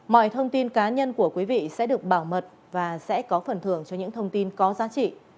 mọi thông tin cá nhân của quý vị sẽ được bảo mật và sẽ có phần thưởng cho những thông tin có giá trị